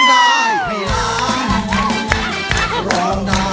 ได้ครับ